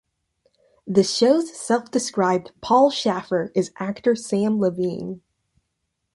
The show's self-described "Paul Shaffer" is actor Samm Levine.